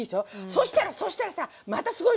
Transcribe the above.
そしたらそしたらさまたすごいのよ！